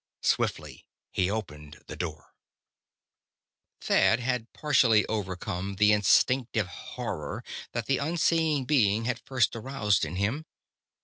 Swiftly, he opened the door.... Thad had partially overcome the instinctive horror that the unseen being had first aroused in him.